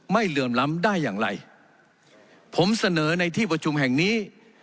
เหลื่อมล้ำได้อย่างไรผมเสนอในที่ประชุมแห่งนี้